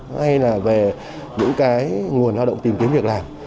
hay là về những cái nguồn lao động tìm kiếm việc làm